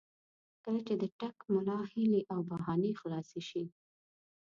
کله چې د ټګ ملا هیلې او بهانې خلاصې شي.